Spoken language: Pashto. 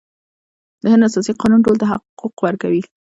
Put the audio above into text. د هند اساسي قانون ټولو ته حقوق ورکوي.